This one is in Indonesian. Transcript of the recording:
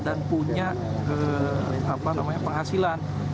dan punya ke apa namanya penghasilan